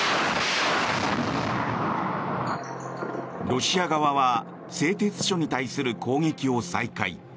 ロシア側は製鉄所に対する攻撃を再開。